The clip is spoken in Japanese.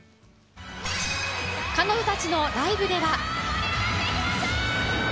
彼女たちのライブでは。